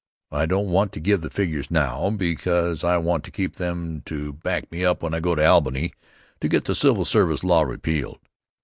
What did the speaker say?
I don't want to give the figures now, because I want to keep them to back me up when I go to Albany to get the civil service law repealed.